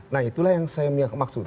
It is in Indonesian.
nah itulah yang saya maksudkan